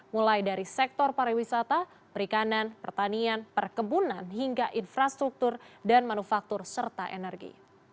mulai dari sektor pariwisata perikanan pertanian perkebunan hingga infrastruktur dan manufaktur serta energi